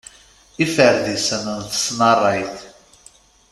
Iferdisen n tesnarrayt.